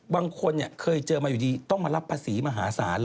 บางคนเคยเจอมาอยู่ดีต้องมารับภาษีมหาศาลเหรอ